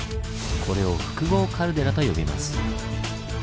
これを「複合カルデラ」と呼びます。